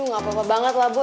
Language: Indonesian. nggak apa apa banget lah bo